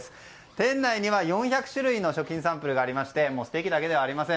店内には４００種類の食品サンプルがありましてステーキだけではありません。